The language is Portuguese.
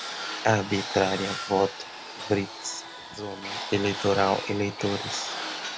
arbitrária, voto, writ, zona eleitoral, eleitores